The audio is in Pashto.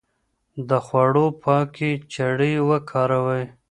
د خوړو پاکې چړې وکاروئ.